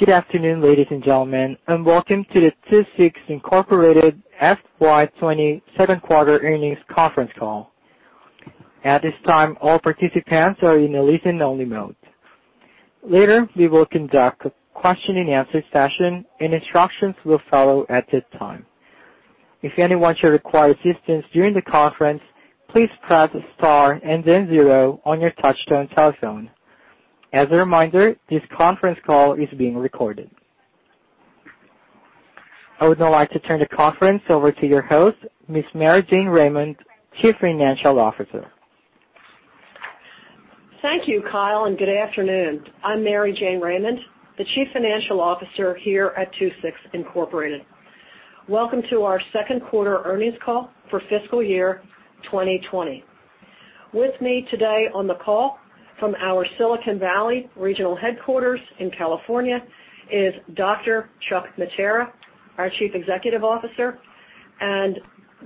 Good afternoon, ladies and gentlemen, and welcome to the Coherent FY2020 second quarter earnings conference call. At this time, all participants are in a listen-only mode. Later, we will conduct a question-and-answer session, and instructions will follow at that time. If anyone should require assistance during the conference, please press star and then zero on your touch-tone telephone. As a reminder, this conference call is being recorded. I would now like to turn the conference over to your host, Ms. Mary Jane Raymond, Chief Financial Officer. Thank you, Kyle, and good afternoon. I'm Mary Jane Raymond, the Chief Financial Officer here at Coherent. Welcome to our second quarter earnings call for fiscal year 2020. With me today on the call from our Silicon Valley regional headquarters in California is Dr. Chuck Mattera, our Chief Executive Officer, and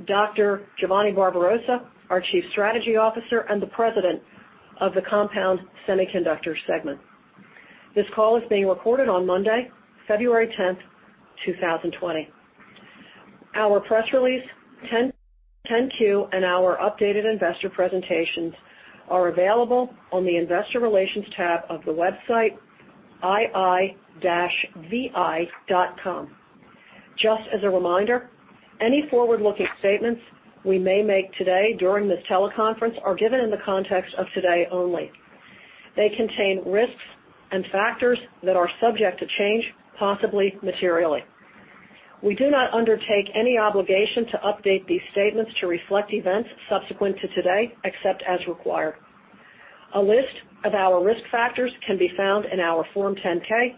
Dr. Giovanni Barbarossa, our Chief Strategy Officer and the President of the Compound Semiconductor segment. This call is being recorded on Monday, February 10th, 2020. Our press release, 10Q, and our updated investor presentations are available on the Investor Relations tab of the website ii-vi.com. Just as a reminder, any forward-looking statements we may make today during this teleconference are given in the context of today only. They contain risks and factors that are subject to change, possibly materially. We do not undertake any obligation to update these statements to reflect events subsequent to today, except as required. A list of our risk factors can be found in our Form 10-K,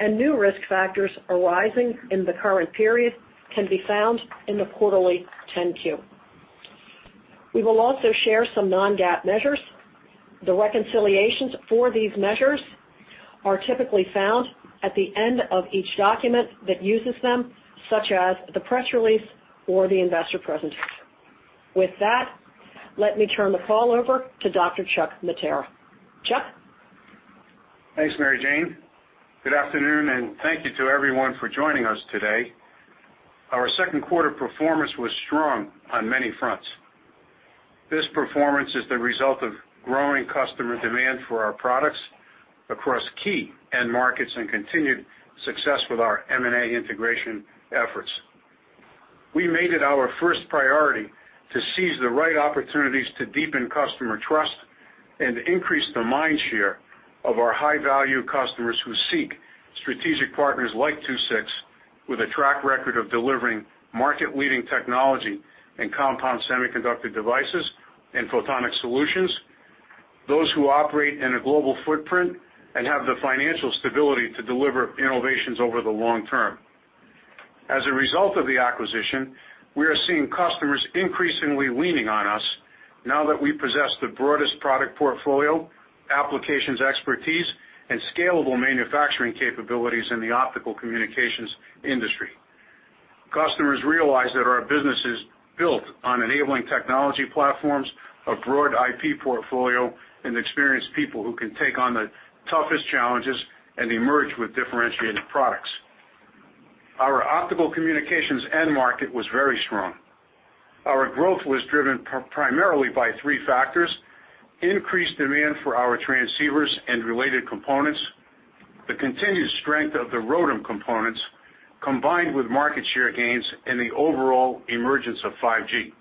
and new risk factors arising in the current period can be found in the quarterly 10Q. We will also share some non-GAAP measures. The reconciliations for these measures are typically found at the end of each document that uses them, such as the press release or the investor presentation. With that, let me turn the call over to Dr. Chuck Mattera. Chuck. Thanks, Mary Jane. Good afternoon, and thank you to everyone for joining us today. Our second quarter performance was strong on many fronts. This performance is the result of growing customer demand for our products across key end markets and continued success with our M&A integration efforts. We made it our first priority to seize the right opportunities to deepen customer trust and increase the mind share of our high-value customers who seek strategic partners like Coherent, with a track record of delivering market-leading technology in compound semiconductor devices and photonic solutions, those who operate in a global footprint and have the financial stability to deliver innovations over the long term. As a result of the acquisition, we are seeing customers increasingly leaning on us now that we possess the broadest product portfolio, applications expertise, and scalable manufacturing capabilities in the optical communications industry. Customers realize that our business is built on enabling technology platforms, a broad IP portfolio, and experienced people who can take on the toughest challenges and emerge with differentiated products. Our optical communications end market was very strong. Our growth was driven primarily by three factors: increased demand for our transceivers and related components, the continued strength of the ROTEM components, combined with market share gains and the overall emergence of 5G.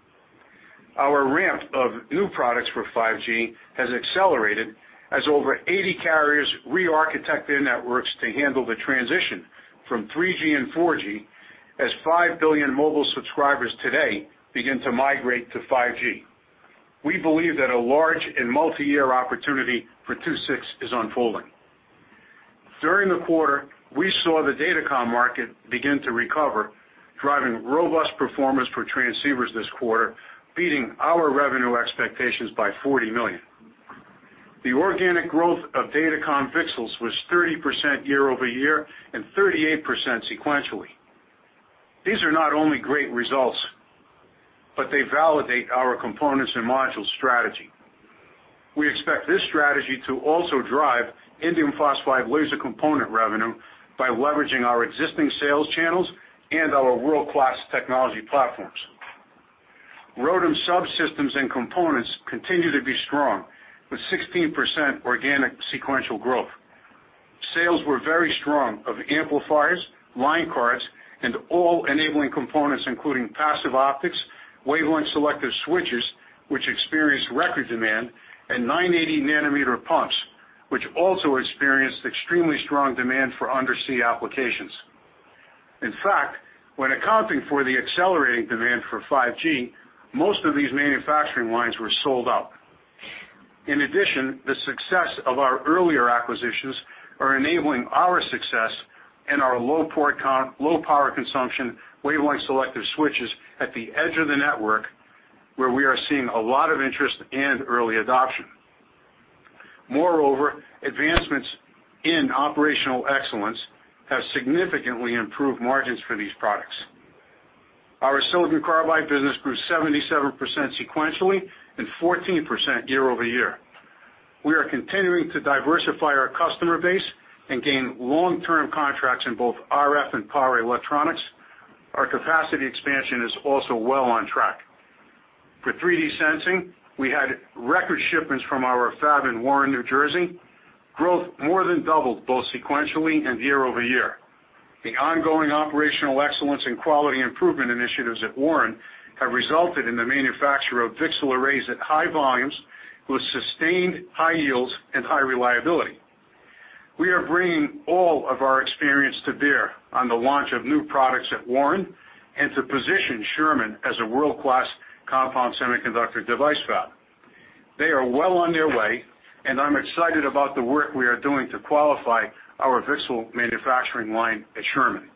Our ramp of new products for 5G has accelerated as over 80 carriers re-architect their networks to handle the transition from 3G and 4G, as 5 billion mobile subscribers today begin to migrate to 5G. We believe that a large and multi-year opportunity for TSIG is unfolding. During the quarter, we saw the data comm market begin to recover, driving robust performance for transceivers this quarter, beating our revenue expectations by $40 million. The organic growth of data comm VCSELs was 30% year-over-year and 38% sequentially. These are not only great results, but they validate our components and modules strategy. We expect this strategy to also drive indium phosphide laser component revenue by leveraging our existing sales channels and our world-class technology platforms. ROTEM subsystems and components continue to be strong, with 16% organic sequential growth. Sales were very strong of amplifiers, line cards, and all enabling components, including passive optics, wavelength selective switches, which experienced record demand, and 980 nanometer pumps, which also experienced extremely strong demand for undersea applications. In fact, when accounting for the accelerating demand for 5G, most of these manufacturing lines were sold out. In addition, the success of our earlier acquisitions is enabling our success in our low power consumption wavelength selective switches at the edge of the network, where we are seeing a lot of interest and early adoption. Moreover, advancements in operational excellence have significantly improved margins for these products. Our silicon carbide business grew 77% sequentially and 14% year over year. We are continuing to diversify our customer base and gain long-term contracts in both RF and power electronics. Our capacity expansion is also well on track. For 3D sensing, we had record shipments from our fab in Warren, New Jersey. Growth more than doubled both sequentially and year-over-year. The ongoing operational excellence and quality improvement initiatives at Warren have resulted in the manufacture of VCSEL arrays at high volumes with sustained high yields and high reliability. We are bringing all of our experience to bear on the launch of new products at Warren and to position Sherman as a world-class compound semiconductor device fab. They are well on their way, and I'm excited about the work we are doing to qualify our VCSEL manufacturing line at Sherman.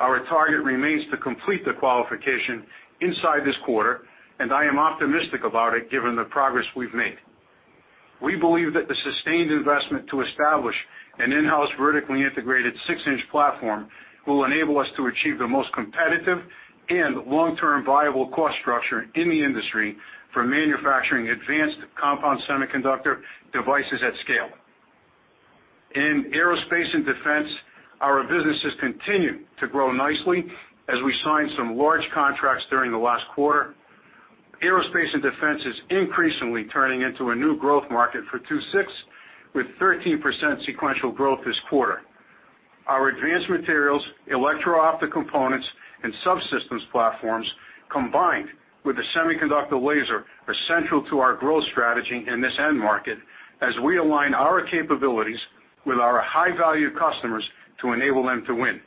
Our target remains to complete the qualification inside this quarter, and I am optimistic about it given the progress we've made. We believe that the sustained investment to establish an in-house vertically integrated six-inch platform will enable us to achieve the most competitive and long-term viable cost structure in the industry for manufacturing advanced compound semiconductor devices at scale. In aerospace and defense, our businesses continue to grow nicely as we signed some large contracts during the last quarter. Aerospace and defense is increasingly turning into a new growth market for Coherent, with 13% sequential growth this quarter. Our advanced materials, electro-optic components, and subsystems platforms, combined with the semiconductor laser, are central to our growth strategy in this end market as we align our capabilities with our high-value customers to enable them to win.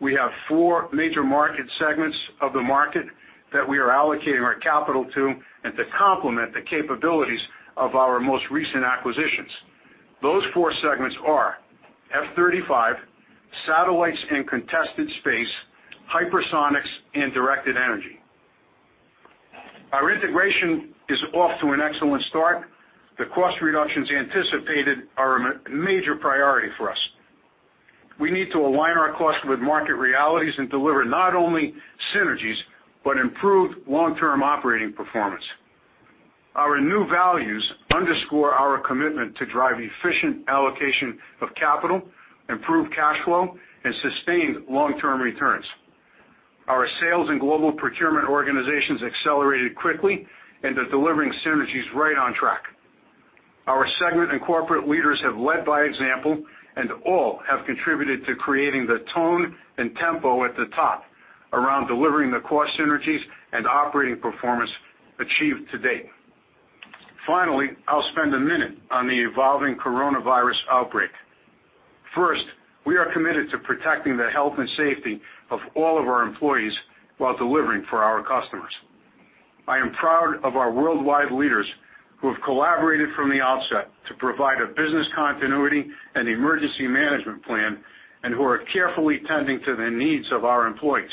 We have four major market segments of the market that we are allocating our capital to and to complement the capabilities of our most recent acquisitions. Those four segments are F-35, satellites in contested space, hypersonics, and directed energy. Our integration is off to an excellent start. The cost reductions anticipated are a major priority for us. We need to align our costs with market realities and deliver not only synergies, but improve long-term operating performance. Our new values underscore our commitment to drive efficient allocation of capital, improve cash flow, and sustained long-term returns. Our sales and global procurement organizations accelerated quickly, and they're delivering synergies right on track. Our segment and corporate leaders have led by example and all have contributed to creating the tone and tempo at the top around delivering the cost synergies and operating performance achieved to date. Finally, I'll spend a minute on the evolving coronavirus outbreak. First, we are committed to protecting the health and safety of all of our employees while delivering for our customers. I am proud of our worldwide leaders who have collaborated from the outset to provide a business continuity and emergency management plan and who are carefully tending to the needs of our employees.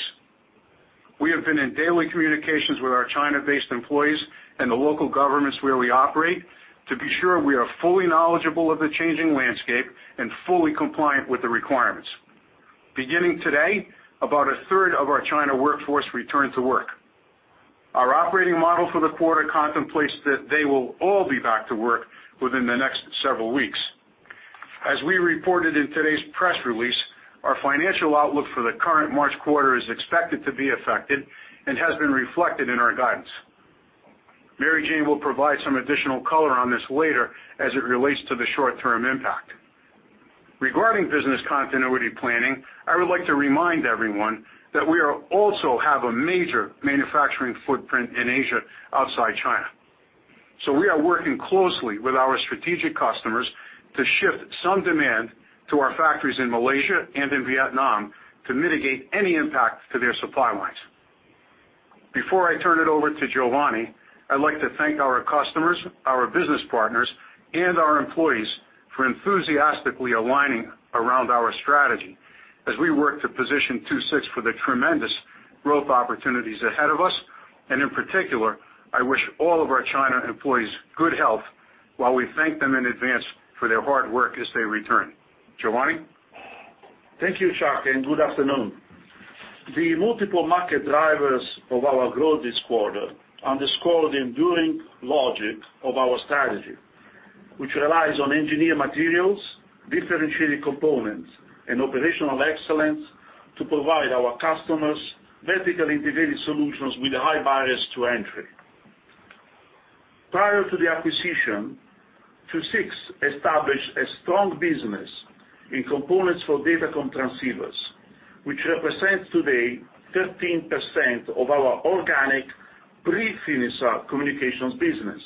We have been in daily communications with our China-based employees and the local governments where we operate to be sure we are fully knowledgeable of the changing landscape and fully compliant with the requirements. Beginning today, about a third of our China workforce returned to work. Our operating model for the quarter contemplates that they will all be back to work within the next several weeks. As we reported in today's press release, our financial outlook for the current March quarter is expected to be affected and has been reflected in our guidance. Mary Jane will provide some additional color on this later as it relates to the short-term impact. Regarding business continuity planning, I would like to remind everyone that we also have a major manufacturing footprint in Asia outside China. We are working closely with our strategic customers to shift some demand to our factories in Malaysia and in Vietnam to mitigate any impact to their supply lines. Before I turn it over to Giovanni, I'd like to thank our customers, our business partners, and our employees for enthusiastically aligning around our strategy as we work to position Coherent for the tremendous growth opportunities ahead of us. In particular, I wish all of our China employees good health while we thank them in advance for their hard work as they return. Giovanni? Thank you, Chuck, and good afternoon. The multiple market drivers of our growth this quarter underscored the enduring logic of our strategy, which relies on engineered materials, differentiated components, and operational excellence to provide our customers vertically integrated solutions with a high barrier to entry. Prior to the acquisition, TSIG established a strong business in components for data comm transceivers, which represents today 13% of our organic pre-Finisar communications business.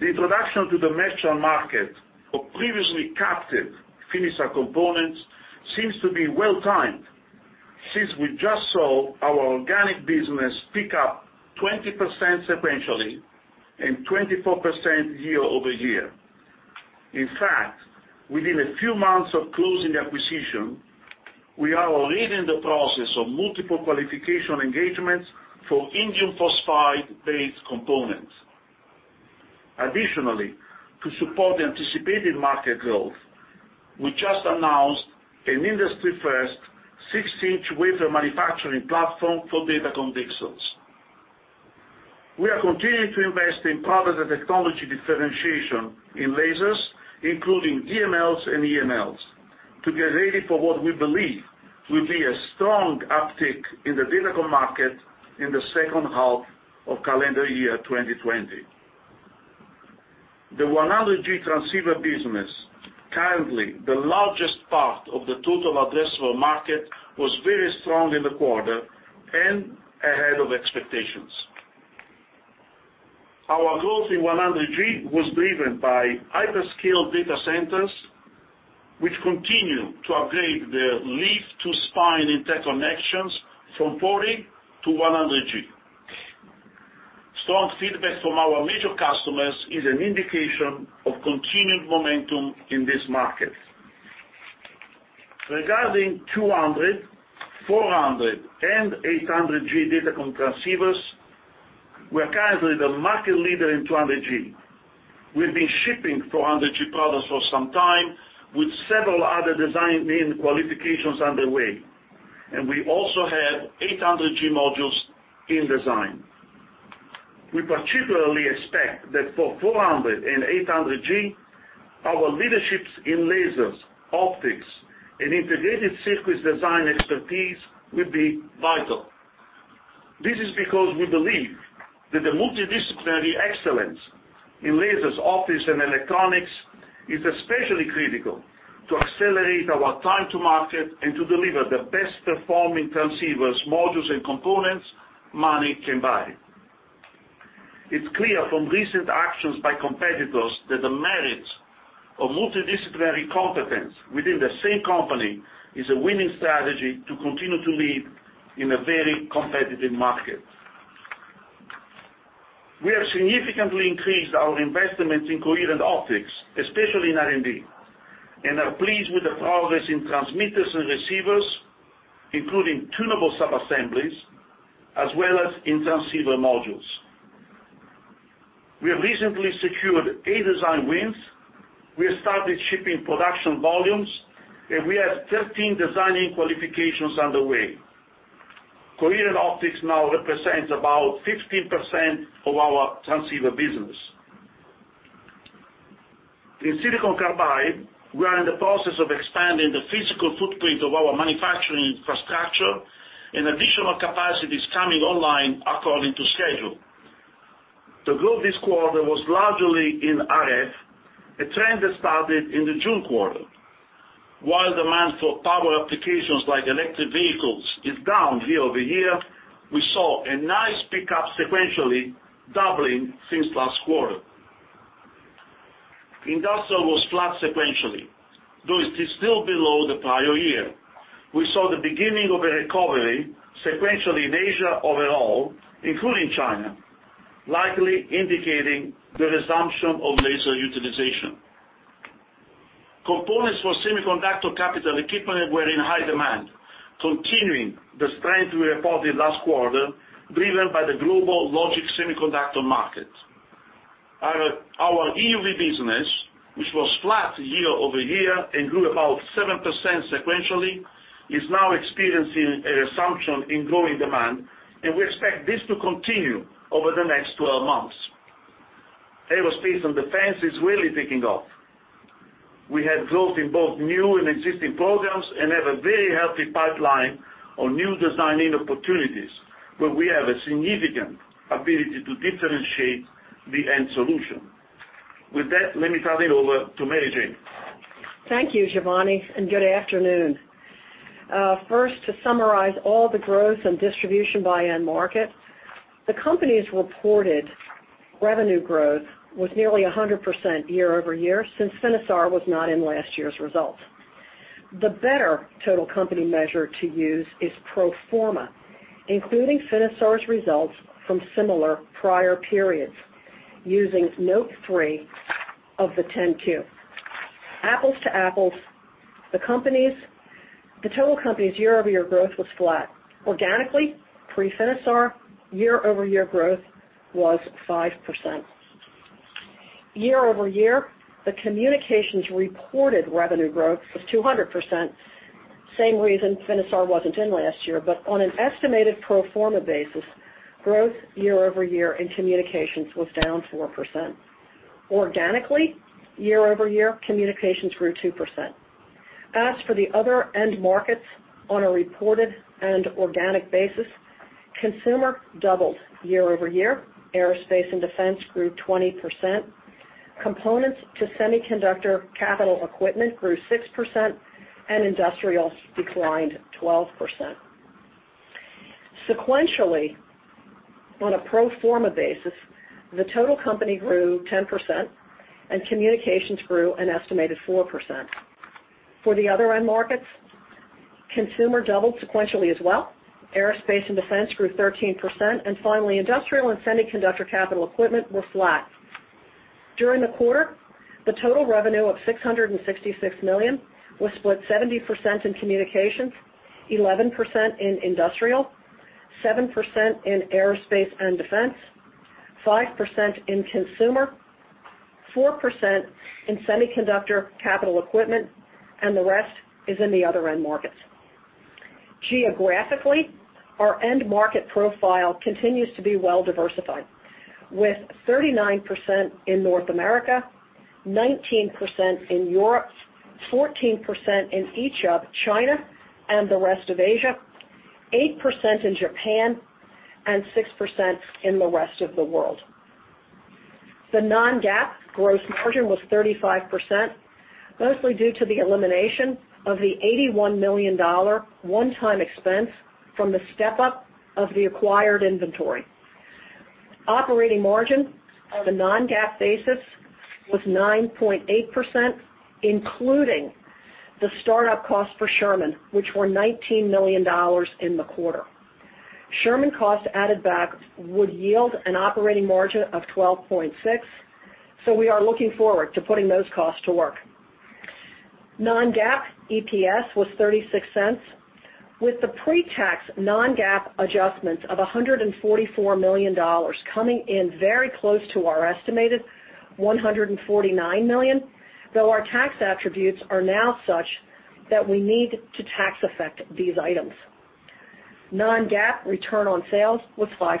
The introduction to the merchant market of previously captive Finisar components seems to be well timed since we just saw our organic business pick up 20% sequentially and 24% year-over-year. In fact, within a few months of closing the acquisition, we are already in the process of multiple qualification engagements for indium phosphide-based components. Additionally, to support the anticipated market growth, we just announced an industry-first six-inch wafer manufacturing platform for data comm VCSELs. We are continuing to invest in product and technology differentiation in lasers, including DMLs and EMLs, to get ready for what we believe will be a strong uptick in the data comm market in the second half of calendar year 2020. The 100G transceiver business, currently the largest part of the total addressable market, was very strong in the quarter and ahead of expectations. Our growth in 100G was driven by hyperscale data centers, which continue to upgrade their leaf-to-spine interconnections from 40 to 100G. Strong feedback from our major customers is an indication of continued momentum in this market. Regarding 200, 400, and 800G data comm transceivers, we are currently the market leader in 200G. We've been shipping 400G products for some time, with several other design and qualifications underway, and we also have 800G modules in design. We particularly expect that for 400 and 800G, our leaderships in lasers, optics, and integrated circuits design expertise will be vital. This is because we believe that the multidisciplinary excellence in lasers, optics, and electronics is especially critical to accelerate our time to market and to deliver the best-performing transceivers, modules, and components money can buy. It's clear from recent actions by competitors that the merits of multidisciplinary competence within the same company is a winning strategy to continue to lead in a very competitive market. We have significantly increased our investments in coherent optics, especially in R&D, and are pleased with the progress in transmitters and receivers, including tunable subassemblies, as well as in transceiver modules. We have recently secured eight design wins. We started shipping production volumes, and we have 13 design qualifications underway. Coherent optics now represents about 15% of our transceiver business. In silicon carbide, we are in the process of expanding the physical footprint of our manufacturing infrastructure, and additional capacity is coming online according to schedule. The growth this quarter was largely in RF, a trend that started in the June quarter. While demand for power applications like electric vehicles is down year over year, we saw a nice pickup sequentially, doubling since last quarter. Industrial was flat sequentially, though it is still below the prior year. We saw the beginning of a recovery sequentially in Asia overall, including China, likely indicating the resumption of laser utilization. Components for semiconductor capital equipment were in high demand, continuing the strength we reported last quarter, driven by the global logic semiconductor market. Our EUV business, which was flat year-over-year and grew about 7% sequentially, is now experiencing a resumption in growing demand, and we expect this to continue over the next 12 months. Aerospace and defense is really picking up. We have growth in both new and existing programs and have a very healthy pipeline of new design opportunities where we have a significant ability to differentiate the end solution. With that, let me turn it over to Mary Jane. Thank you, Giovanni, and good afternoon. First, to summarize all the growth and distribution by end market, the company's reported revenue growth was nearly 100% year over year since Finisar was not in last year's results. The better total company measure to use is pro forma, including Finisar's results from similar prior periods using Note 3 of the 10-Q. Apples to apples, the total company's year-over-year growth was flat. Organically, pre-Finisar, year-over-year growth was 5%. Year-over-year, the communications reported revenue growth was 200%. Same reason Finisar wasn't in last year, but on an estimated pro forma basis, growth year-over-year in communications was down 4%. Organically, year-over-year, communications grew 2%. As for the other end markets, on a reported and organic basis, consumer doubled year-over-year, aerospace and defense grew 20%, components to semiconductor capital equipment grew 6%, and industrials declined 12%. Sequentially, on a pro forma basis, the total company grew 10%, and communications grew an estimated 4%. For the other end markets, consumer doubled sequentially as well. Aerospace and defense grew 13%, and finally, industrial and semiconductor capital equipment were flat. During the quarter, the total revenue of $666 million was split 70% in communications, 11% in industrial, 7% in aerospace and defense, 5% in consumer, 4% in semiconductor capital equipment, and the rest is in the other end markets. Geographically, our end market profile continues to be well diversified, with 39% in North America, 19% in Europe, 14% in each of China and the rest of Asia, 8% in Japan, and 6% in the rest of the world. The non-GAAP gross margin was 35%, mostly due to the elimination of the $81 million one-time expense from the step-up of the acquired inventory. Operating margin on the non-GAAP basis was 9.8%, including the startup cost for Sherman, which were $19 million in the quarter. Sherman cost added back would yield an operating margin of 12.6%, so we are looking forward to putting those costs to work. Non-GAAP EPS was $0.36, with the pre-tax non-GAAP adjustments of $144 million coming in very close to our estimated $149 million, though our tax attributes are now such that we need to tax-affect these items. Non-GAAP return on sales was 5%.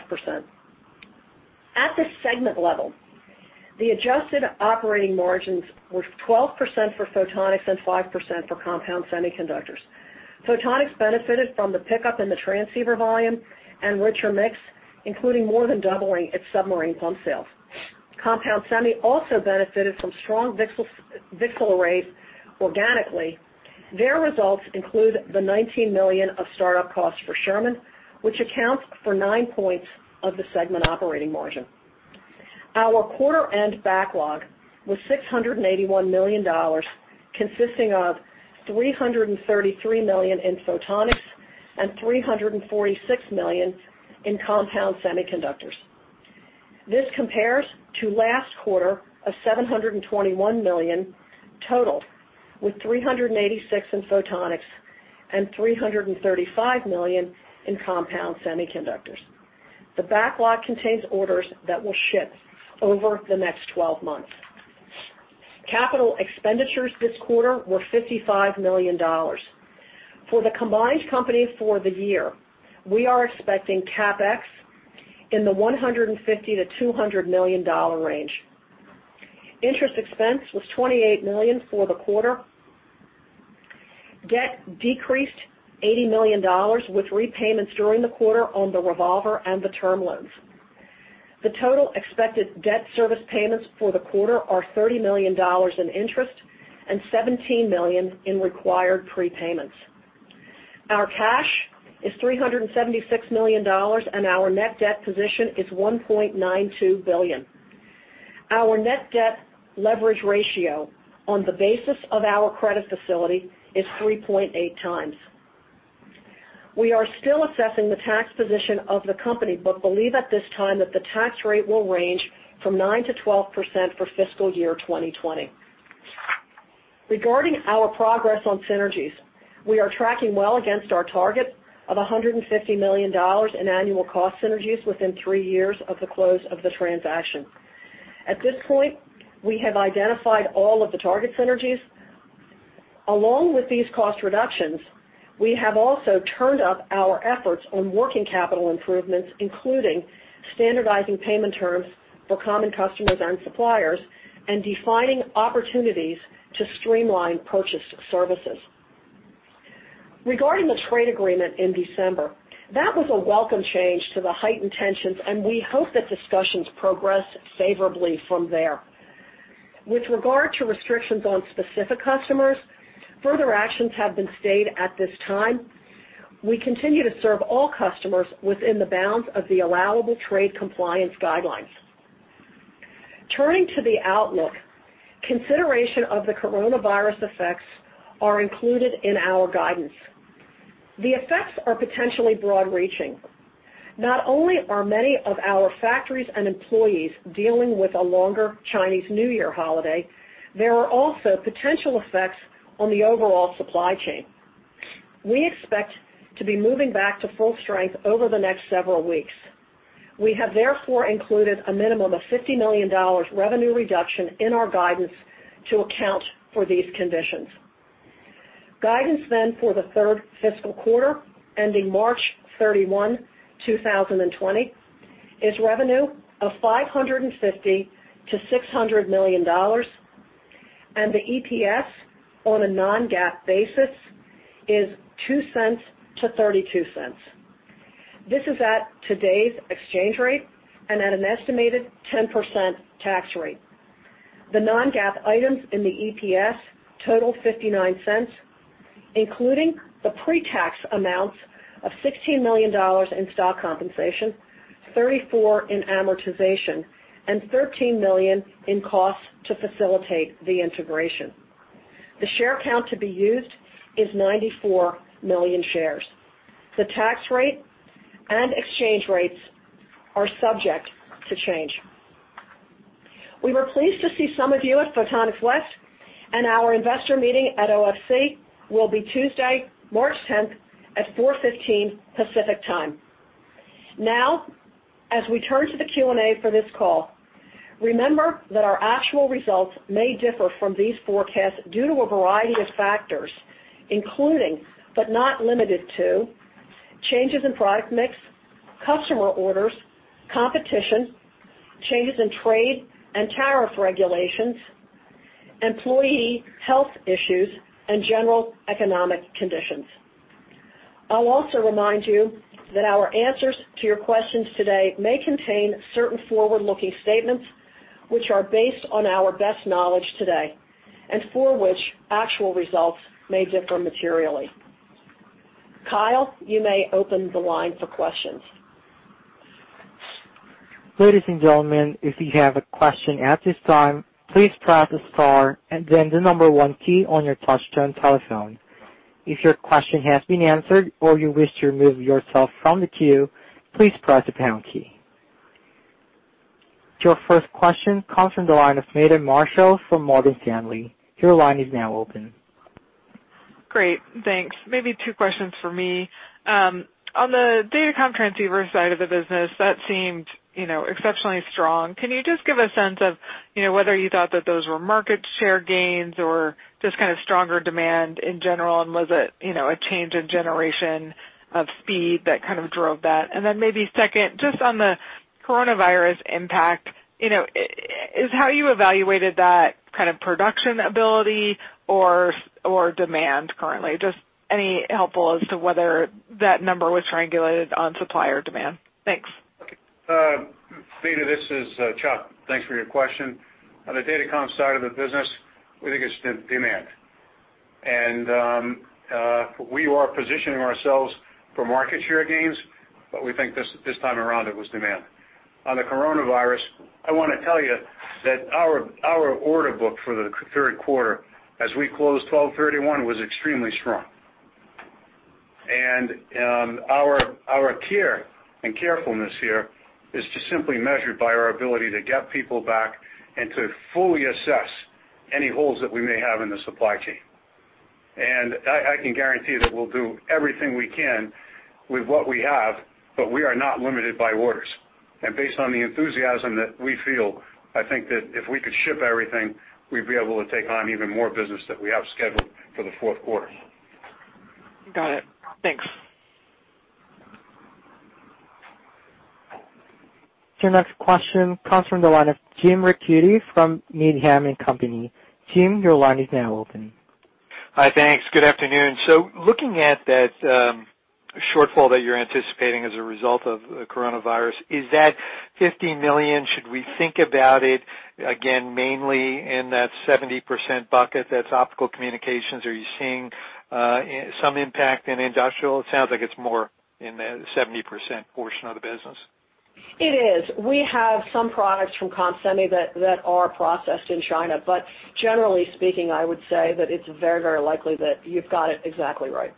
At the segment level, the adjusted operating margins were 12% for photonics and 5% for compound semiconductors. Photonics benefited from the pickup in the transceiver volume and richer mix, including more than doubling its submarine pump sales. Compound semi also benefited from strong VCSEL arrays organically. Their results include the $19 million of startup cost for Sherman, which accounts for 9 points of the segment operating margin. Our quarter-end backlog was $681 million, consisting of $333 million in photonics and $346 million in compound semiconductors. This compares to last quarter of $721 million total, with $386 million in photonics and $335 million in compound semiconductors. The backlog contains orders that will ship over the next 12 months. Capital expenditures this quarter were $55 million. For the combined company for the year, we are expecting CapEx in the $150 million-$200 million range. Interest expense was $28 million for the quarter. Debt decreased $80 million with repayments during the quarter on the revolver and the term loans. The total expected debt service payments for the quarter are $30 million in interest and $17 million in required prepayments. Our cash is $376 million, and our net debt position is $1.92 billion. Our net debt leverage ratio on the basis of our credit facility is 3.8x. We are still assessing the tax position of the company, but believe at this time that the tax rate will range from 9%-12% for fiscal year 2020. Regarding our progress on synergies, we are tracking well against our target of $150 million in annual cost synergies within three years of the close of the transaction. At this point, we have identified all of the target synergies. Along with these cost reductions, we have also turned up our efforts on working capital improvements, including standardizing payment terms for common customers and suppliers and defining opportunities to streamline purchased services. Regarding the trade agreement in December, that was a welcome change to the heightened tensions, and we hope that discussions progress favorably from there. With regard to restrictions on specific customers, further actions have been stayed at this time. We continue to serve all customers within the bounds of the allowable trade compliance guidelines. Turning to the outlook, consideration of the coronavirus effects are included in our guidance. The effects are potentially broad-reaching. Not only are many of our factories and employees dealing with a longer Chinese New Year holiday, there are also potential effects on the overall supply chain. We expect to be moving back to full strength over the next several weeks. We have therefore included a minimum of $50 million revenue reduction in our guidance to account for these conditions. Guidance then for the third fiscal quarter ending March 31, 2020, is revenue of $550-$600 million, and the EPS on a non-GAAP basis is $0.02-$0.32. This is at today's exchange rate and at an estimated 10% tax rate. The non-GAAP items in the EPS total $0.59, including the pre-tax amounts of $16 million in stock compensation, $34 million in amortization, and $13 million in costs to facilitate the integration. The share count to be used is 94 million shares. The tax rate and exchange rates are subject to change. We were pleased to see some of you at Photonics West, and our investor meeting at OFC will be Tuesday, March 10, at 4:15 P.M. Pacific time. Now, as we turn to the Q&A for this call, remember that our actual results may differ from these forecasts due to a variety of factors, including, but not limited to, changes in product mix, customer orders, competition, changes in trade and tariff regulations, employee health issues, and general economic conditions. I'll also remind you that our answers to your questions today may contain certain forward-looking statements which are based on our best knowledge today and for which actual results may differ materially. Kyle, you may open the line for questions. Ladies and gentlemen, if you have a question at this time, please press the star and then the number one key on your touch-tone telephone. If your question has been answered or you wish to remove yourself from the queue, please press the pound key. Your first question comes from the line of Meta Marshall from Morgan Stanley. Your line is now open. Great. Thanks. Maybe two questions for me. On the datacom transceiver side of the business, that seemed exceptionally strong. Can you just give a sense of whether you thought that those were market share gains or just kind of stronger demand in general, and was it a change in generation of speed that kind of drove that? Maybe second, just on the coronavirus impact, is how you evaluated that kind of production ability or demand currently? Just any helpful as to whether that number was triangulated on supply or demand. Thanks. Okay. Meta, this is Chuck. Thanks for your question. On the datacom side of the business, we think it's demand. We are positioning ourselves for market share gains, but we think this time around it was demand. On the coronavirus, I want to tell you that our order book for the third quarter, as we closed 12/31, was extremely strong. Our care and carefulness here is to simply measure by our ability to get people back and to fully assess any holes that we may have in the supply chain. I can guarantee that we'll do everything we can with what we have, but we are not limited by orders. Based on the enthusiasm that we feel, I think that if we could ship everything, we'd be able to take on even more business that we have scheduled for the fourth quarter. Got it. Thanks. Your next question comes from the line of Jim Ricchiuti from Needham & Company. Jim, your line is now open. Hi, thanks. Good afternoon. Looking at that shortfall that you're anticipating as a result of the coronavirus, is that $50 million? Should we think about it again mainly in that 70% bucket that's optical communications? Are you seeing some impact in industrial? It sounds like it's more in the 70% portion of the business. It is. We have some products from comp semi that are processed in China, but generally speaking, I would say that it's very, very likely that you've got it exactly right.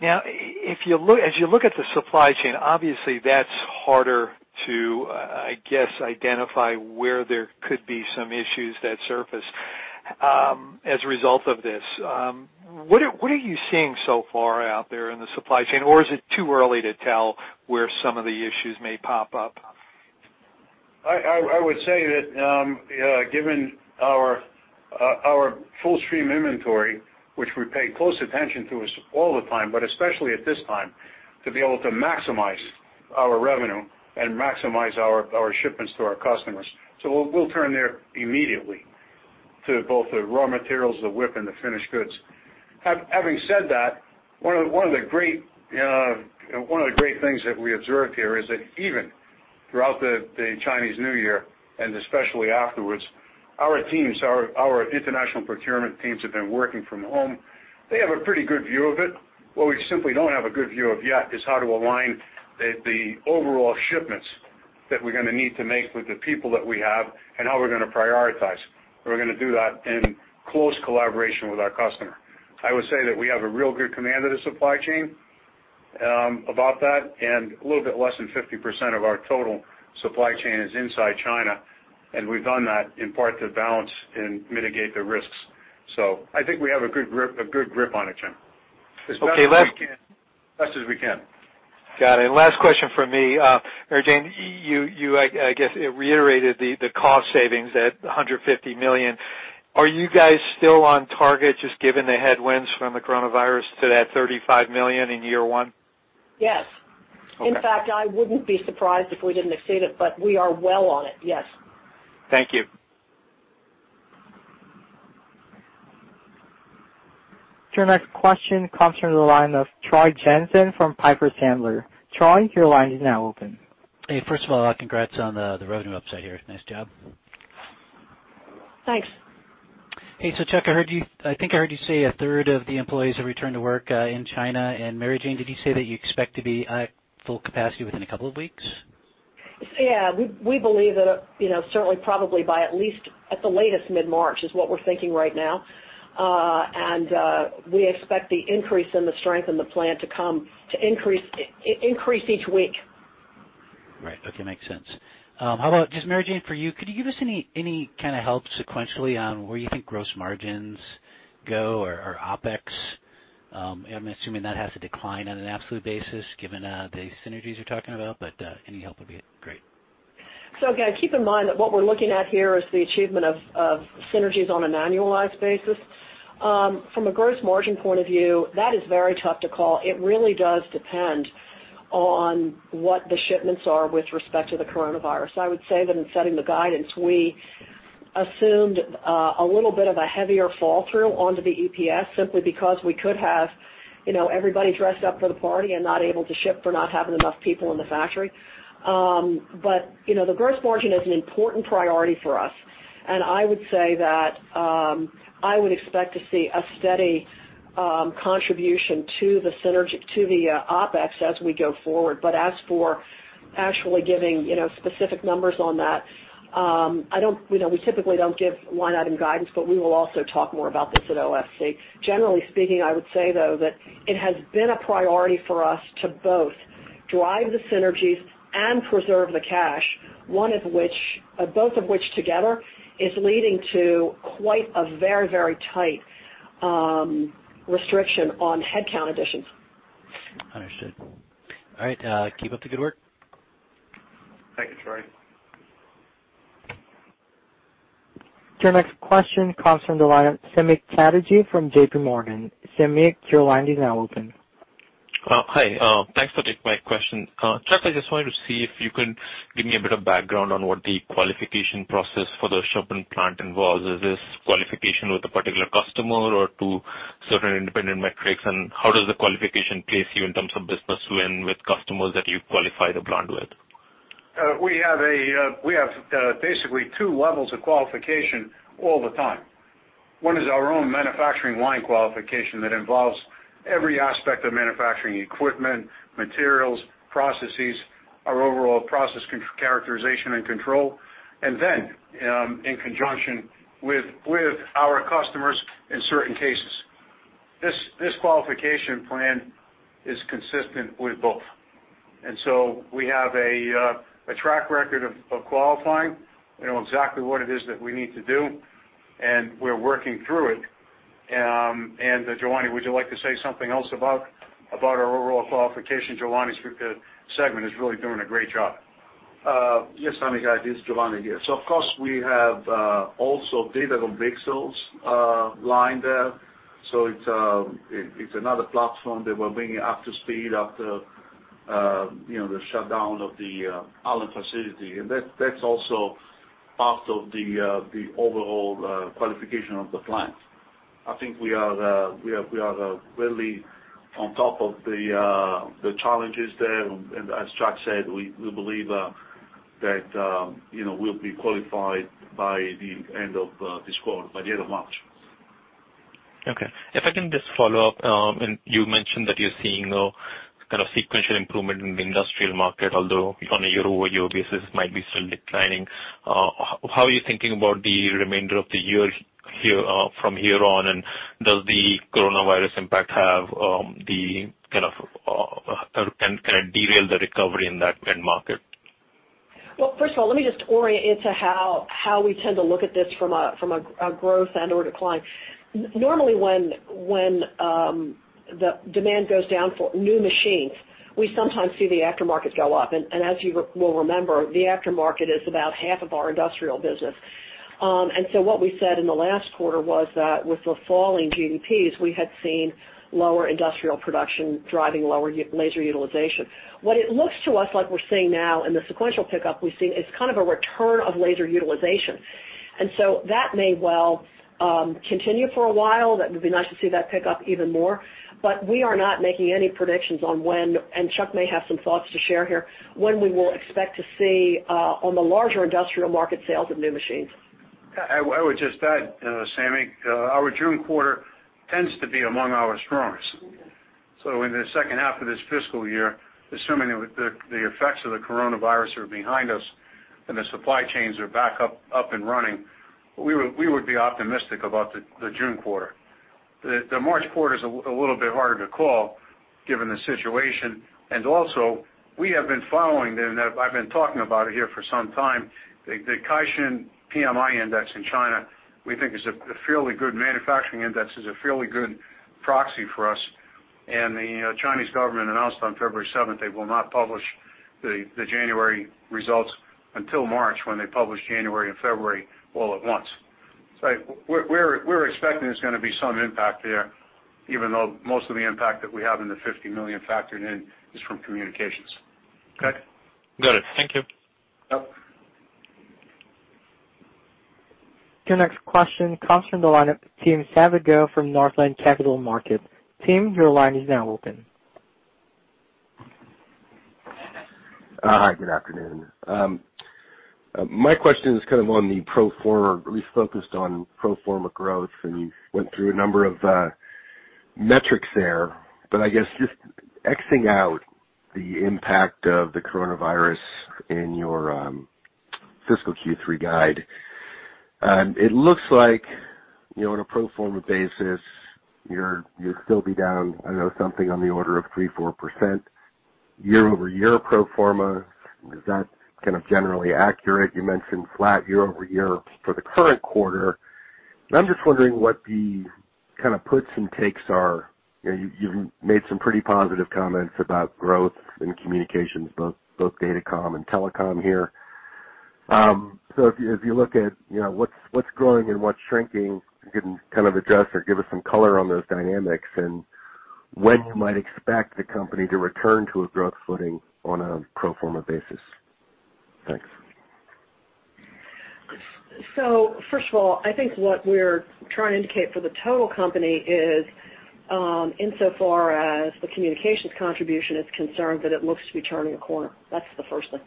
Now, as you look at the supply chain, obviously that's harder to, I guess, identify where there could be some issues that surface as a result of this. What are you seeing so far out there in the supply chain, or is it too early to tell where some of the issues may pop up? I would say that given our full stream inventory, which we pay close attention to all the time, but especially at this time, to be able to maximize our revenue and maximize our shipments to our customers. We will turn there immediately to both the raw materials, the WIP, and the finished goods. Having said that, one of the great things that we observed here is that even throughout the Chinese New Year and especially afterwards, our teams, our international procurement teams have been working from home. They have a pretty good view of it. What we simply do not have a good view of yet is how to align the overall shipments that we are going to need to make with the people that we have and how we are going to prioritize. We are going to do that in close collaboration with our customer. I would say that we have a real good command of the supply chain about that, and a little bit less than 50% of our total supply chain is inside China, and we've done that in part to balance and mitigate the risks. I think we have a good grip on it, Jim. As best as we can. Got it. Last question from me. Mary Jane, you, I guess, reiterated the cost savings at $150 million. Are you guys still on target, just given the headwinds from the coronavirus, to that $35 million in year one? Yes. In fact, I wouldn't be surprised if we didn't exceed it, but we are well on it. Yes. Thank you. Your next question comes from the line of Troy Jensen from Piper Sandler. Troy, your line is now open. Hey, first of all, congrats on the revenue upset here. Nice job. Thanks. Hey, so Chuck, I think I heard you say a third of the employees have returned to work in China. And Mary Jane, did you say that you expect to be at full capacity within a couple of weeks? Yeah. We believe that certainly, probably by at least at the latest mid-March is what we're thinking right now. We expect the increase in the strength in the plant to increase each week. Right. Okay. Makes sense. How about just Mary Jane for you, could you give us any kind of help sequentially on where you think gross margins go or OpEx? I'm assuming that has to decline on an absolute basis given the synergies you're talking about, but any help would be great. Again, keep in mind that what we're looking at here is the achievement of synergies on an annualized basis. From a gross margin point of view, that is very tough to call. It really does depend on what the shipments are with respect to the coronavirus. I would say that in setting the guidance, we assumed a little bit of a heavier fall-through onto the EPS simply because we could have everybody dressed up for the party and not able to ship for not having enough people in the factory. The gross margin is an important priority for us. I would say that I would expect to see a steady contribution to the OpEx as we go forward. As for actually giving specific numbers on that, we typically do not give line item guidance, but we will also talk more about this at OFC. Generally speaking, I would say, though, that it has been a priority for us to both drive the synergies and preserve the cash, one of which, both of which together is leading to quite a very, very tight restriction on headcount additions. Understood. All right. Keep up the good work. Thank you, Troy. Your next question comes from the line of Samik Chatterjee from JPMorgan. Samik, your line is now open. Hi. Thanks for taking my question. Chuck, I just wanted to see if you could give me a bit of background on what the qualification process for the shipment plant involves. Is this qualification with a particular customer or to certain independent metrics? How does the qualification place you in terms of business when with customers that you qualify the plant with? We have basically two levels of qualification all the time. One is our own manufacturing line qualification that involves every aspect of manufacturing equipment, materials, processes, our overall process characterization and control, and then in conjunction with our customers in certain cases. This qualification plan is consistent with both. We have a track record of qualifying. We know exactly what it is that we need to do, and we're working through it. Giovanni, would you like to say something else about our overall qualification? Giovanni's segment is really doing a great job. Yes, Samik. This is Giovanni here. Of course, we have also data on bake sales line there. It is another platform that we are bringing up to speed after the shutdown of the Allen facility. That is also part of the overall qualification of the plant. I think we are really on top of the challenges there. As Chuck said, we believe that we will be qualified by the end of this quarter, by the end of March. Okay. If I can just follow up, you mentioned that you're seeing kind of sequential improvement in the industrial market, although on a year-over-year basis, it might be still declining. How are you thinking about the remainder of the year from here on? Does the coronavirus impact have the kind of derail the recovery in that end market? First of all, let me just orient you to how we tend to look at this from a growth and/or decline. Normally, when the demand goes down for new machines, we sometimes see the aftermarket go up. As you will remember, the aftermarket is about half of our industrial business. What we said in the last quarter was that with the falling GDPs, we had seen lower industrial production driving lower laser utilization. What it looks to us like we are seeing now in the sequential pickup, we see it is kind of a return of laser utilization. That may well continue for a while. That would be nice to see that pick up even more. We are not making any predictions on when—and Chuck may have some thoughts to share here—when we will expect to see on the larger industrial market sales of new machines. I would just add, Samik, our June quarter tends to be among our strongest. In the second half of this fiscal year, assuming the effects of the coronavirus are behind us and the supply chains are back up and running, we would be optimistic about the June quarter. The March quarter is a little bit harder to call given the situation. Also, we have been following them, and I've been talking about it here for some time. The Caixin PMI index in China, we think, is a fairly good manufacturing index, is a fairly good proxy for us. The Chinese government announced on February 7th they will not publish the January results until March when they publish January and February all at once. We are expecting there is going to be some impact there, even though most of the impact that we have in the $50 million factored in is from communications. Okay? Got it. Thank you. Yep. Your next question comes from the line of Tim Savage from Northland Capital Markets. Tim, your line is now open. Hi, good afternoon. My question is kind of on the pro forma, really focused on pro forma growth, and you went through a number of metrics there. I guess just X-ing out the impact of the coronavirus in your fiscal Q3 guide, it looks like on a pro forma basis, you'll still be down, I don't know, something on the order of 3-4% year-over-year pro forma. Is that kind of generally accurate? You mentioned flat year-over-year for the current quarter. I'm just wondering what the kind of puts and takes are. You've made some pretty positive comments about growth and communications, both data comm and telecom here. If you look at what's growing and what's shrinking, you can kind of adjust or give us some color on those dynamics and when you might expect the company to return to a growth footing on a pro forma basis. Thanks. First of all, I think what we're trying to indicate for the total company is insofar as the communications contribution is concerned that it looks to be turning a corner. That's the first thing.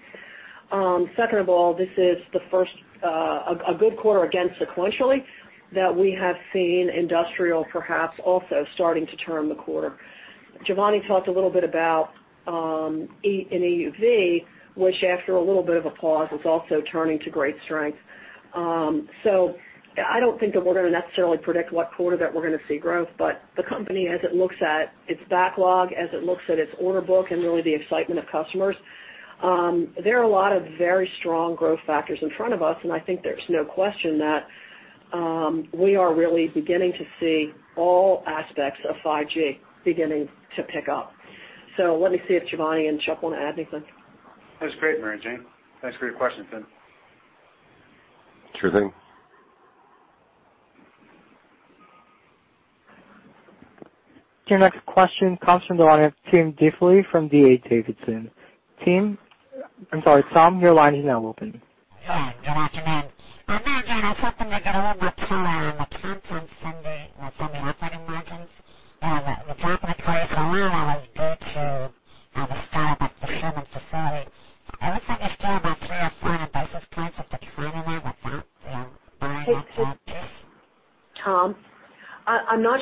Second of all, this is a good quarter again sequentially that we have seen industrial perhaps also starting to turn the corner. Giovanni talked a little bit about EUV, which after a little bit of a pause is also turning to great strength. I don't think that we're going to necessarily predict what quarter that we're going to see growth, but the company, as it looks at its backlog, as it looks at its order book and really the excitement of customers, there are a lot of very strong growth factors in front of us. I think there is no question that we are really beginning to see all aspects of 5G beginning to pick up. Let me see if Giovanni and Chuck want to add anything. That was great, Mary Jane. Thanks for your question, Tim. Sure thing. Your next question comes from the line of Tom Diffely from DA Davidson. Tim, I'm sorry, Tom, your line is now open. Good afternoon. Mary Jane, I was hoping to get a little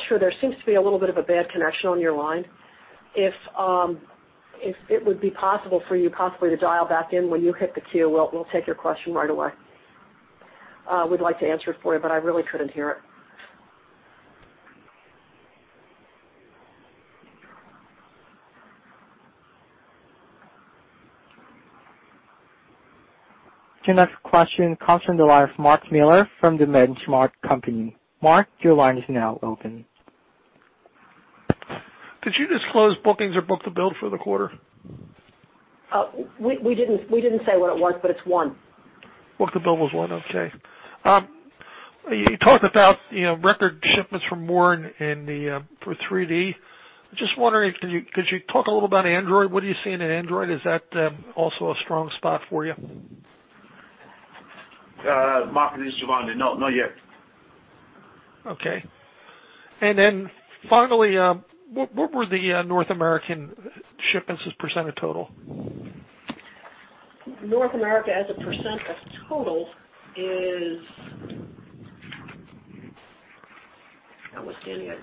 more clear on the content of Simey operating margins. The job that I've had for a while I was due to start up at the shipment facility. I would say there's still about three or four basis points that they're trying to work with that buying and sell piece. Tom, I'm not sure. There seems to be a little bit of a bad connection on your line. If it would be possible for you possibly to dial back in when you hit the queue, we'll take your question right away. We'd like to answer it for you, but I really couldn't hear it. Your next question comes from the line of Mark Miller from The Benchmark Company. Mark, your line is now open. Did you disclose bookings or book to build for the quarter? We didn't say what it was, but it's one. Book to build was one. Okay. You talked about record shipments from Warren for 3D. Just wondering, could you talk a little about Android? What are you seeing in Android? Is that also a strong spot for you? Mark and this is Giovanni. Not yet. Okay. Finally, what were the North American shipments as percent of total? North America as a percent of total is, that was 39%.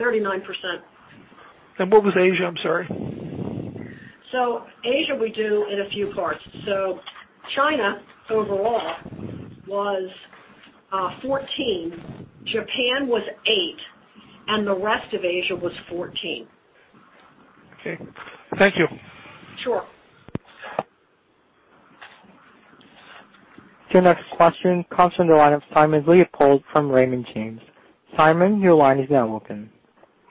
39%. What was Asia? I'm sorry. Asia we do in a few parts. China overall was 14, Japan was 8, and the rest of Asia was 14. Okay. Thank you. Sure. Your next question comes from the line of Simon Leopold from Raymond James. Simon, your line is now open.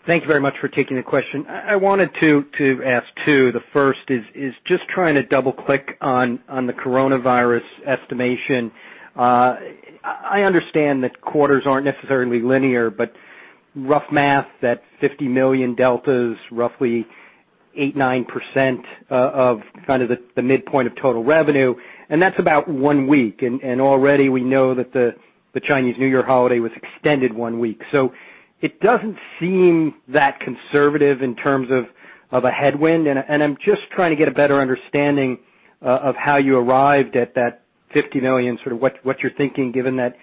Thank you very much for taking the question. I wanted to ask two. The first is just trying to double-click on the coronavirus estimation. I understand that quarters aren't necessarily linear, but rough math that $50 million delta is roughly 8-9% of kind of the midpoint of total revenue. That's about one week. Already we know that the Chinese New Year holiday was extended one week. It does not seem that conservative in terms of a headwind. I am just trying to get a better understanding of how you arrived at that $50 million, sort of what you're thinking given that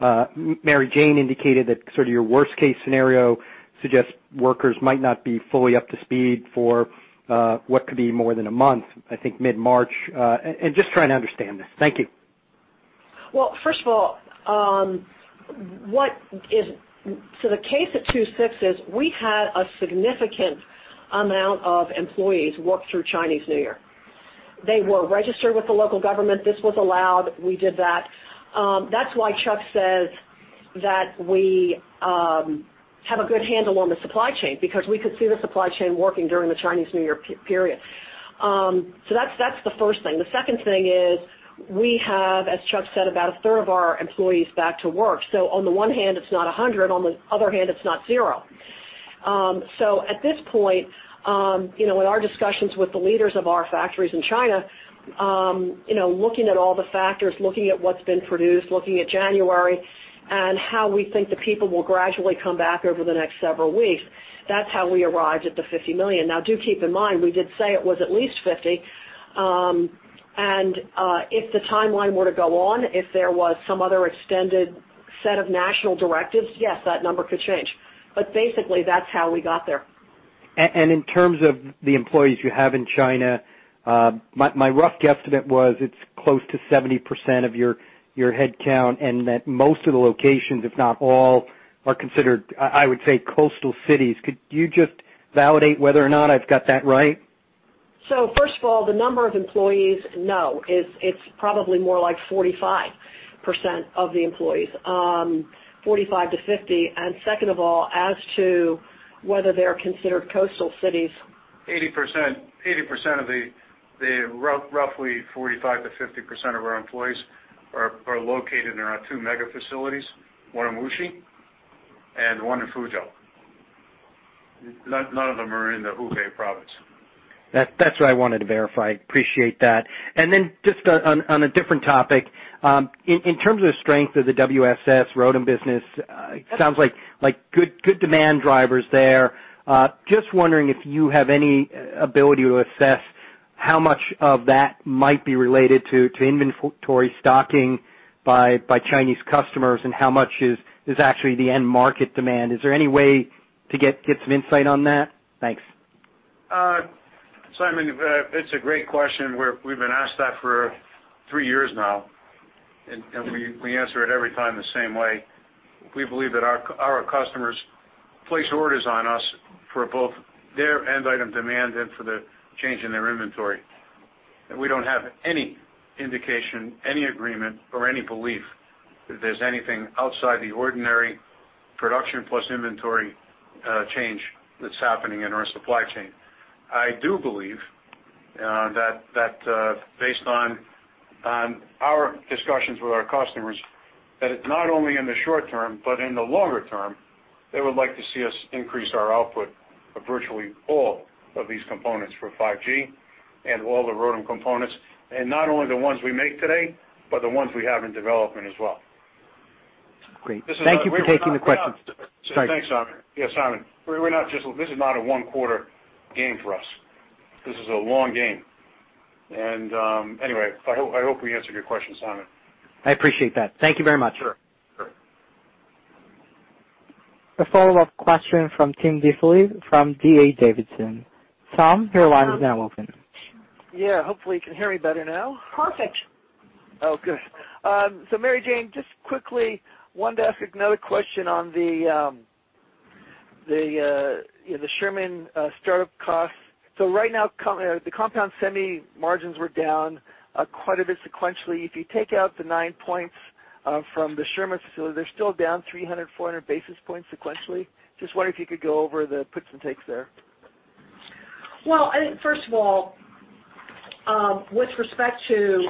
Mary Jane indicated that sort of your worst-case scenario suggests workers might not be fully up to speed for what could be more than a month, I think mid-March. I am just trying to understand this. Thank you. First of all, what is the case at 26 is we had a significant amount of employees work through Chinese New Year. They were registered with the local government. This was allowed. We did that. That is why Chuck says that we have a good handle on the supply chain because we could see the supply chain working during the Chinese New Year period. That is the first thing. The second thing is we have, as Chuck said, about a third of our employees back to work. On the one hand, it is not 100. On the other hand, it is not 0. At this point, in our discussions with the leaders of our factories in China, looking at all the factors, looking at what's been produced, looking at January and how we think the people will gradually come back over the next several weeks, that's how we arrived at the $50 million. Now, do keep in mind, we did say it was at least $50 million. If the timeline were to go on, if there was some other extended set of national directives, yes, that number could change. Basically, that's how we got there. In terms of the employees you have in China, my rough guesstimate was it's close to 70% of your headcount and that most of the locations, if not all, are considered, I would say, coastal cities. Could you just validate whether or not I've got that right? First of all, the number of employees, no. It's probably more like 45% of the employees, 45-50%. And second of all, as to whether they're considered coastal cities. 80% of the roughly 45%-50% of our employees are located in our two mega facilities, one in Wuxi and one in Fuzhou. None of them are in the Hubei Province. That's what I wanted to verify. Appreciate that. Just on a different topic, in terms of the strength of the WSS ROADM business, it sounds like good demand drivers there. Just wondering if you have any ability to assess how much of that might be related to inventory stocking by Chinese customers and how much is actually the end market demand. Is there any way to get some insight on that? Thanks. Simon, it's a great question. We've been asked that for three years now. We answer it every time the same way. We believe that our customers place orders on us for both their end item demand and for the change in their inventory. We don't have any indication, any agreement, or any belief that there's anything outside the ordinary production plus inventory change that's happening in our supply chain. I do believe that based on our discussions with our customers, it's not only in the short term, but in the longer term, they would like to see us increase our output of virtually all of these components for 5G and all the ROADM components. Not only the ones we make today, but the ones we have in development as well. Great. Thank you for taking the question. Thanks, Simon. Yeah, Simon. This is not a one-quarter game for us. This is a long game. Anyway, I hope we answered your question, Simon. I appreciate that. Thank you very much. Sure. Sure. A follow-up question from Tim Diffely from DA Davidson. Tom, your line is now open. Yeah. Hopefully, you can hear me better now. Perfect. Good. Mary Jane, just quickly wanted to ask another question on the Sherman startup costs. Right now, the compound semi margins were down quite a bit sequentially. If you take out the 9 points from the Sherman facility, they're still down 300-400 basis points sequentially. Just wonder if you could go over the puts and takes there. I think first of all, with respect to